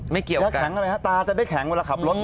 ไม่เกี่ยวกันแค้งอะไรครับตราจะได้แข็งเวลาขับรถหรอ